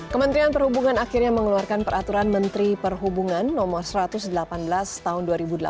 kementerian perhubungan akhirnya mengeluarkan peraturan menteri perhubungan no satu ratus delapan belas tahun dua ribu delapan belas